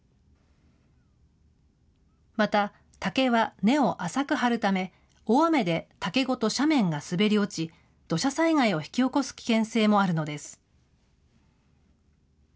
また、竹は根を浅く張るため、大雨で竹ごと斜面が滑り落ち、土砂災害を引き起こす危険性もあるのです。